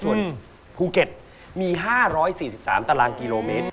ส่วนภูเก็ตมี๕๔๓ตารางกิโลเมตร